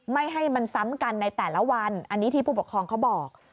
ไม่ให้มันซ้ำกันในแต่ละวันอันนี้ที่ผู้ปกครองเขาบอก